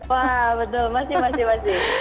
wah betul masih masih